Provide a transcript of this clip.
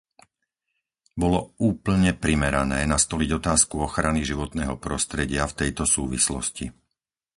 Bolo úplne primerané nastoliť otázku ochrany životného prostredia v tejto súvislosti.